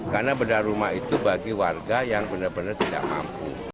karena bedah rumah itu bagi warga yang benar benar tidak mampu